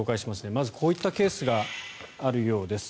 まず、こういったケースがあるようです。